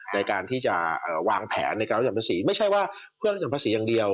ในการที่จะวางแผนในการลดหย่อนภาษีไม่ใช่ว่าเพื่อลดหย่อนภาษีอย่างเดียว